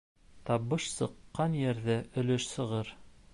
Табыш сыҡҡан ерҙә өлөш сығыр.